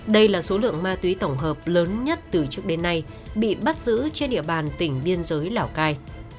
đây là số lượng ma túy tổng hợp lớn nhất từ trước đến nay bị bắt giữ trên địa bàn tỉnh biên giới lào cai